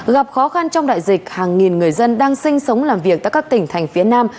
gặp khó khăn trong đại dịch hàng nghìn người dân đang sinh sống làm việc tại các tỉnh thành phía nam